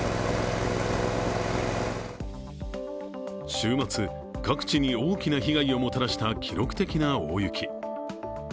週末、各地に大きな被害をもたらした記録的な大雪。